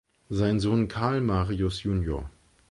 Sein Sohn Carl Marius jun.